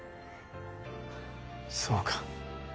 そうか。